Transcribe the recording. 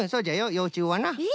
ようちゅうはな。え。